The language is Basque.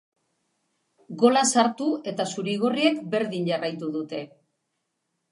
Gola sartu eta zuri-gorriek berdin jarraitu dute.